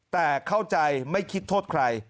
แต่เข้าใจไม่คิดโทษใคร